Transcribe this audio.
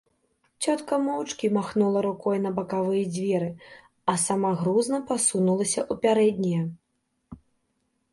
Цётка моўчкі махнула рукой на бакавыя дзверы, а сама грузна пасунулася ў пярэднія.